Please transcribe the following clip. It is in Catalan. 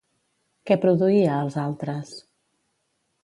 Què produïa als altres?